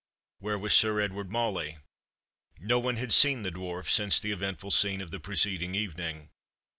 "Where was Sir Edward Mauley?" No one had seen the Dwarf since the eventful scene of the preceding evening.